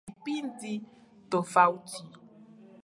mtazamo wao ulilengakuvisisitiza vipindi tofauti